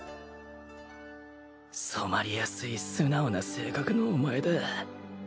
染まりやすい素直な性格のお前だ